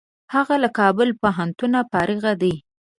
هغه له کابل پوهنتونه فارغ دی.